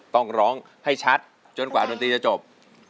ต้องร้องให้ชัดจนกว่าดนตรีจะจบ